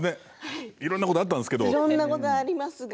いろんなことがあったんですけれども。